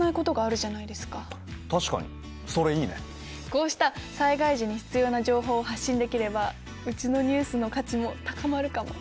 こうした災害時に必要な情報を発信できればうちのニュースの価値も高まるかも。